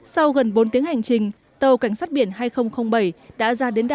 sau gần bốn tiếng hành trình tàu cảnh sát biển hai nghìn bảy đã ra đến đảo